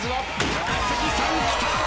高杉さんきた！